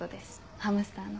ハムスターの。